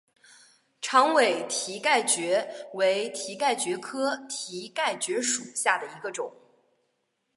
长尾蹄盖蕨为蹄盖蕨科蹄盖蕨属下的一个种。